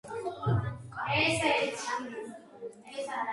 ის მართლაც მობი დიკი ყოფილა